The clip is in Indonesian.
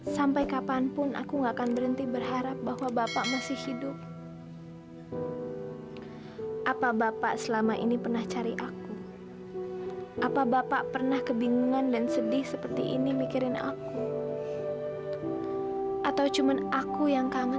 sampai jumpa di video selanjutnya